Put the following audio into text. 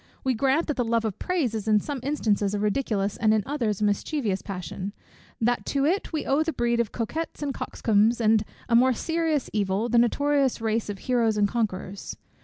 We grant that the love of praise is in some instances a ridiculous, and in others a mischievous passion; that to it we owe the breed of coquettes and coxcombs, and, a more serious evil, the noxious race of heroes and conquerors.